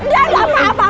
gak pak pak pak